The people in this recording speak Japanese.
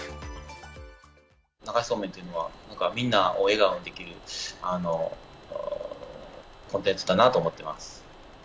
流しそうめんというのは、みんなを笑顔にできるコンテンツかなと思ってます。